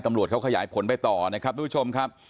ตำรวจเขาขยายผลไปต่อนะครับทุกผู้ชมครับ